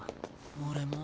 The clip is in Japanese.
俺も。